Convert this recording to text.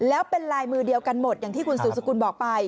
แล้วเป็นลายมือเดียวกันหมดอย่างที่คุณสืบสกุลบอกไป